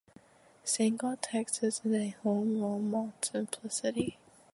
Saginaw, Texas is a Home rule municipality.